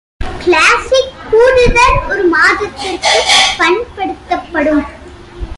”கிலாஸ்சிக்” கூடுதல் ஒரு மாதத்திற்குப் பண்படுத்தப்படும்.